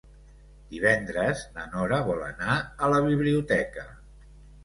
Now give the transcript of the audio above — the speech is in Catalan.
Divendres na Nora vol anar a la biblioteca.